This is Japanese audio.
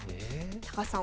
高橋さん